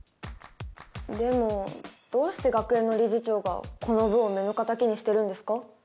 でもどうして学園の理事長がこの部を目の敵にしてるんですか？